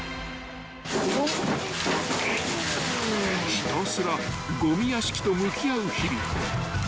［ひたすらごみ屋敷と向き合う日々］